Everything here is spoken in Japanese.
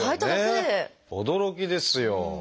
驚きですよ。